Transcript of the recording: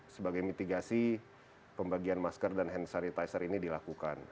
sebagai mitigasi pembagian masker dan hand sanitizer ini dilakukan